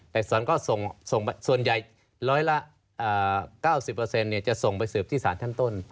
แต่ส่วนใหญ่๙๐จะส่งไปสืบที่ศาลท่านต้น